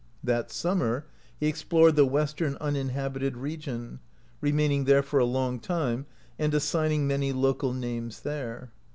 That summer he explored tlie western uninhabited re gion, remaining there for a long time, and assigning many local names there.